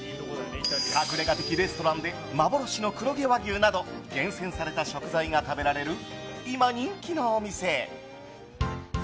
隠れ家的レストランで幻の黒毛和牛など厳選された食材が食べられる今、人気のお店。